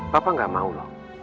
papa gak mau lho